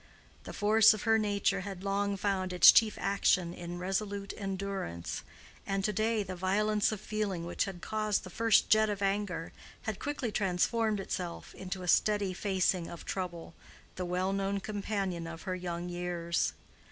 The force of her nature had long found its chief action in resolute endurance, and to day the violence of feeling which had caused the first jet of anger had quickly transformed itself into a steady facing of trouble, the well known companion of her young years.